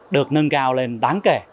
được nâng cao lên đáng kể